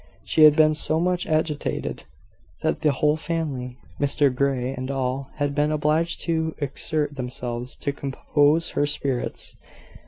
She had been so much agitated, that the whole family, Mr Grey and all, had been obliged to exert themselves to compose her spirits.